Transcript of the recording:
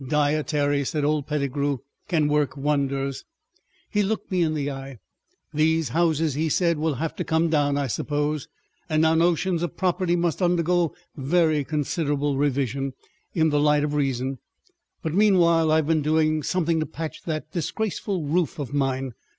"Dietary," said old Pettigrew, "can work wonders. ..." He looked me in the eye. "These houses," he said, "will have to come down, I suppose, and our notions of property must undergo very considerable revision—in the light of reason; but meanwhile I've been doing something to patch that disgraceful roof of mine!